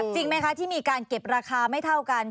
จริงไหมคะที่มีการเก็บราคาไม่เท่ากัน